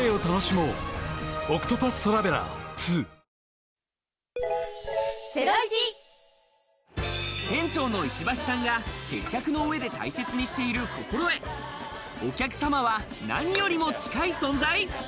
店長の石橋さんが接客の上で店長の石橋さんが接客の上で大切にしている心得、お客様は何よりも近い存在？